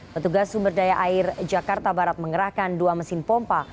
petugas sumber daya air jakarta barat mengerahkan dua mesin pompa